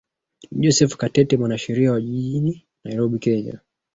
ni joseph katete mwanasheria wa jijini nairobi kenya